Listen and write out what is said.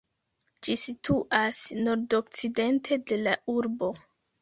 Ĝi situas nordokcidente de la urbo.